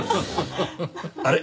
あれ？